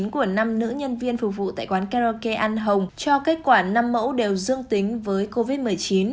của năm nữ nhân viên phục vụ tại quán karaoke an hồng cho kết quả năm mẫu đều dương tính với covid một mươi chín